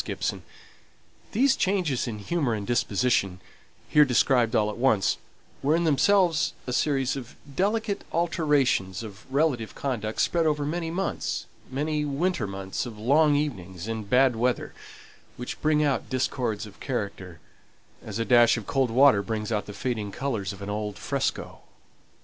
These changes in humour and disposition, here described all at once, were in themselves a series of delicate alterations of relative conduct spread over many months many winter months of long evenings and bad weather, which bring out discords of character, as a dash of cold water brings out the fading colours of an old fresco.